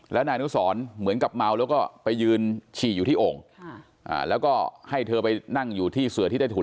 แล้วนายอนุสรเหมือนกับเมาแล้วก็ไปยืนฉี่อยู่ที่โอ่งแล้วก็ให้เธอไปนั่งอยู่ที่เสือที่ได้ถุน